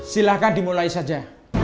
silahkan dimulai saja